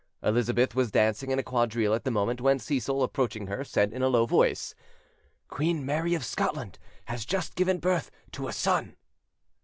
Elizabeth was dancing in a quadrille at the moment when Cecil, approaching her, said in a low voice, "Queen Mary of Scotland has just given birth to a son".